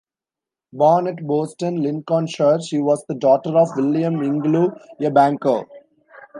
Born at Boston, Lincolnshire, she was the daughter of William Ingelow, a banker.